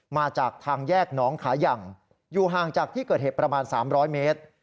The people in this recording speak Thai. มาจากทางแยกน้องขายังอยู่ห่างจากที่เกิดเหตุประมาณ๓๐๐เมตร